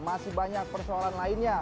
masih banyak persoalan lainnya